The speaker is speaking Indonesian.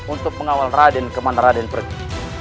untuk pengawal raden kemana raden pergi